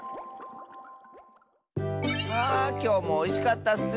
あきょうもおいしかったッス。